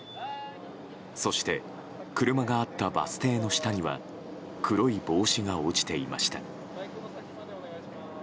そして車があったバス停の下には黒い帽子が落ちていました。